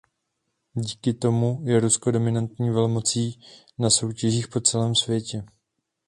Díky tomu je Rusko dominantní velmocí na soutěžích po celém světě.